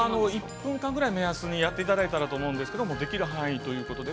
◆１分間ぐらい目安にやっていただいたらと思うんですけどもできる範囲ということで。